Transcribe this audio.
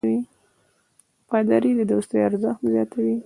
وفاداري د دوستۍ ارزښت زیاتوي.